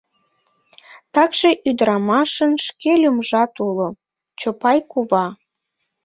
Такше ӱдырамашын шке лӱмжат уло — Чопай кува.